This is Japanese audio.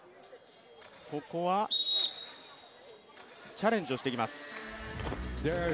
ここはチャレンジをしてきます。